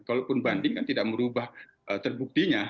kalaupun banding kan tidak merubah terbuktinya